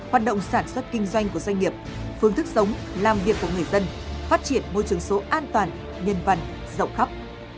hoạt động sản xuất kinh doanh của doanh nghiệp phương thức sống làm việc của người dân phát triển môi trường số an toàn nhân văn rộng khắp